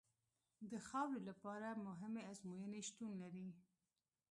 د خاورې لپاره مهمې ازموینې شتون لري